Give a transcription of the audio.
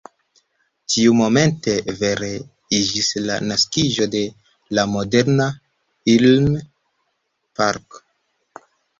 Tiumomente vere iĝis la naskiĝo de la moderna Ilm-parko.